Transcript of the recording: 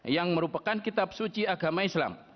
yang merupakan kitab suci agama islam